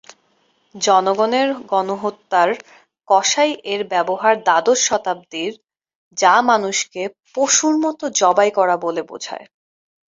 জনগণের গণহত্যার "কসাই" এর ব্যবহার দ্বাদশ শতাব্দীর, যা মানুষকে "পশুর মতো জবাই করা" বলে বোঝায়।